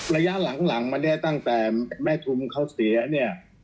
ระยะหลังมาเนี่ยตั้งแต่แม่ทุมเขาเสียเนี่ย